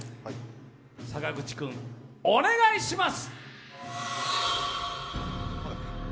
坂口君、お願いします。